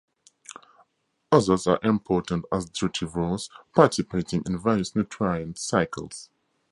Others are important as detritivores, participating in various nutrient cycles.